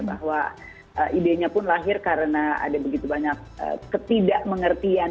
bahwa idenya pun lahir karena ada begitu banyak ketidakmengertian